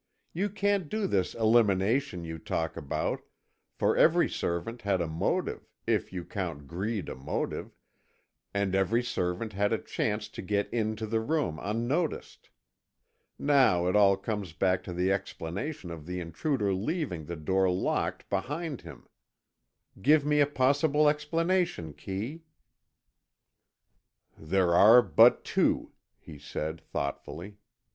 "You can't do this elimination you talk about, for every servant had a motive, if you count greed a motive, and every servant had a chance to get into the room unnoticed. Now it all comes back to the explanation of the intruder leaving the door locked behind him. Give me a possible explanation, Kee." "There are but two," he said, thoughtfully.